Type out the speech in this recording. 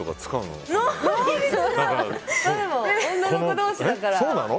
でも女の子同士だから。